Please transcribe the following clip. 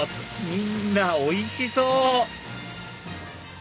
みんなおいしそう！